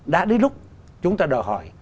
đã đến lúc chúng ta đòi hỏi